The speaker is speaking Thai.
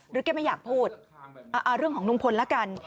แกไม่อยากพูดเรื่องของลุงพลแล้วกัน